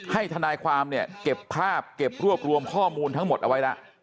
ทนายความเนี่ยเก็บภาพเก็บรวบรวมข้อมูลทั้งหมดเอาไว้แล้ว